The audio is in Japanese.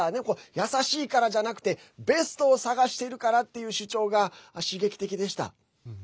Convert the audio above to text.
優しいからじゃなくてベストを探してるからっていう主張が刺激的でした。